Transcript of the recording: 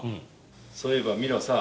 そういえばミロさぁ。